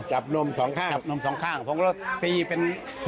กำนมสองข้างผมก็ตีเป็น๔๑๕๑